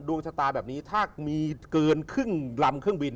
ดวงชะตาแบบนี้ถ้ามีเกินครึ่งลำเครื่องบิน